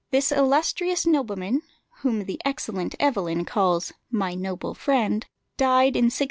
This illustrious nobleman, whom the excellent Evelyn calls "my noble friend," died in 1646.